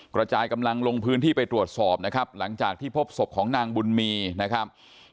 กระจายกำลังลงพื้นที่ไปตรวจสอบนะครับหลังจากที่พบศพของนางบุญมีนะครับ